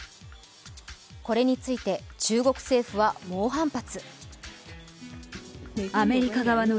これについて中国政府は猛反発。